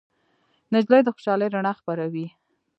نجلۍ د خوشالۍ رڼا خپروي.